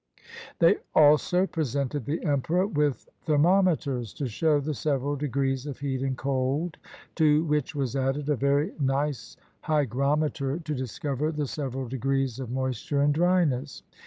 They also presented the emperor with thermometers to show the several degrees of heat and cold, to which was added a very nice hygrometer to discover the sev eral degrees of moisture and dryness.